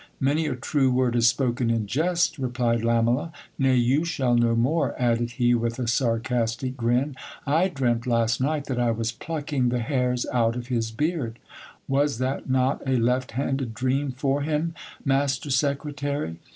Many a true word is spoken in jest, replied Lamela. Nay, you shall know more, added he with a sarcastic grin. I dreamt last night that I was plucking the hairs out of his beard. Was not that a left handed dream for him, master se cretary